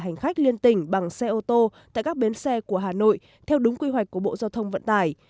hành khách liên tỉnh bằng xe ô tô tại các bến xe của hà nội theo đúng quy hoạch của bộ giao thông vận tải